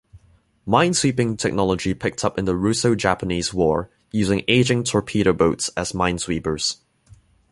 Minesweeping technology picked up in the Russo-Japanese War, using aging torpedo boats as minesweepers.